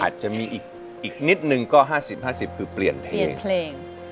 อาจจะมีอีกนิดนึงก็๕๐๕๐คือเปลี่ยนเพลง